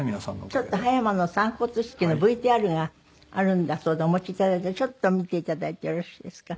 ちょっと葉山の散骨式のＶＴＲがあるんだそうでお持ちいただいてちょっと見ていただいてよろしいですか？